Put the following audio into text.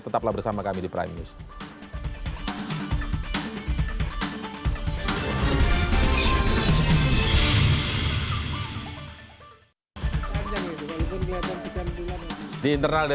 tetaplah bersama kami di prime news